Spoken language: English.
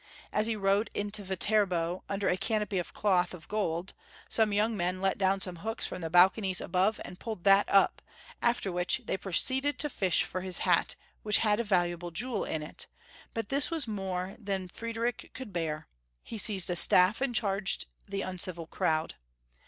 As he rode into Viterbo un der a canopy of cloth of gold, some young men let down hooks from the balconies above and pulled that up, after which they proceeded to fish for his hat which had a valuable jewel in it, but this was more than Friedrich could bear, he seized a staff, and charged the uncivil crowd.